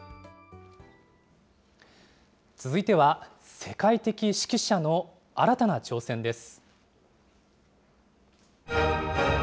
続いては、世界的指揮者の新たな挑戦です。